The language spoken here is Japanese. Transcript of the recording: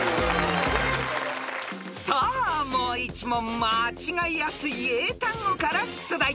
［さあもう一問間違えやすい英単語から出題］